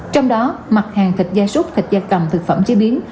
trong đó mặt hàng thịt gia súc thịt da cầm thực phẩm chế biến